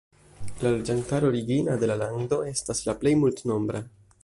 La loĝantaro origina de la lando estas la plej multnombra.